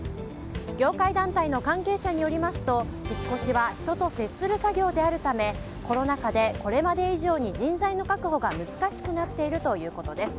業界団体の関係者によりますと引っ越しは人と接する作業であるためコロナ禍でこれまで以上に人材の確保が難しくなっているということです。